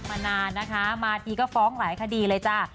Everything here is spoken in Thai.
มานานนะคะมาทีก็ฟ้องหลายคดีเลยจ้า